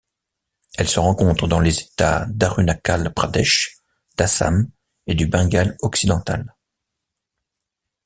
Elle se rencontre dans les États d'Arunachal Pradesh, d'Assam et du Bengale-Occidental.